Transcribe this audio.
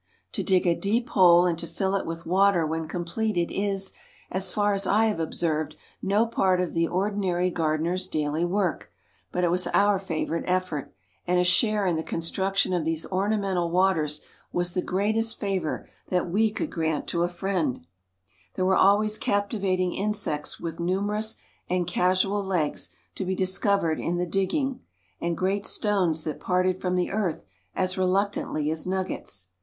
To dig a deep hole and to fill it with water when completed is, as far as I have observed, no part of the ordinary gardener's daily work, but it was our favourite effort, and a share in the con struction of these ornamental waters was the greatest favour that we could grant to a ON CHILDREN'S GARDENS 171 friend. There were always captivating insects with numerous and casual legs to be discovered in the digging, and great stones that parted from the earth as reluctantly as nuggets.